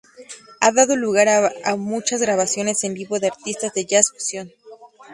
Ha dado lugar a muchas grabaciones en vivo de artistas de jazz fusion.